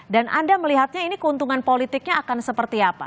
dan anda melihatnya ini keuntungan politiknya akan seperti apa